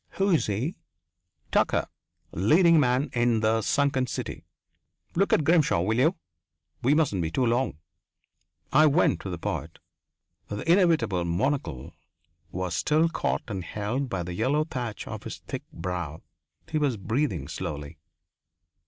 "Who is he?" "Tucker. Leading man in 'The Sunken City.' Look at Grimshaw, will you? We mustn't be too long " I went to the poet. The inevitable monocle was still caught and held by the yellow thatch of his thick brow. He was breathing slowly.